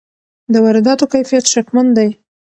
د وارداتو کیفیت شکمن دی.